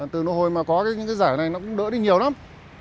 từ nỗi hồi mà có những giải này nó cũng đỡ đi nhiều lắm